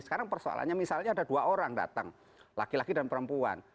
sekarang persoalannya misalnya ada dua orang datang laki laki dan perempuan